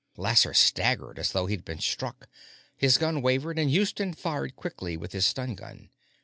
Lasser staggered as though he'd been struck. His gun wavered, and Houston fired quickly with his stun gun.